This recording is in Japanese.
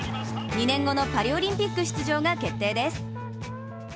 ２年後のパリオリンピック出場が決定です。